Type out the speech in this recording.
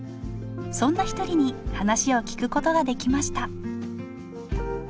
そんな一人に話を聞くことができました